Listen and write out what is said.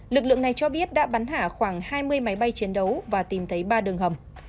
lực lượng này cho biết đã bắn hạ khoảng hai mươi máy bay chiến đấu và tìm thấy ba đường hầm